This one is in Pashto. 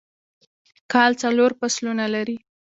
کال څلور فصلونه لري